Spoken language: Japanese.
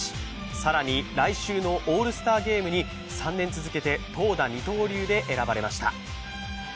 更に、来週のオールスターゲームに３年続けて投打二刀流で選ばれました。